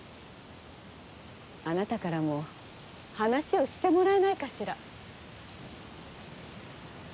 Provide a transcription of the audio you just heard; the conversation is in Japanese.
あなたからも話をしてもらえないかしら？